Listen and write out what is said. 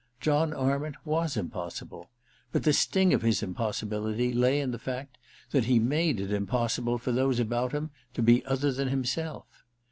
John Arment was impossible ; but the sting of his impossibility lay in the fact that he made it impossible for^ those about him to be other than himself.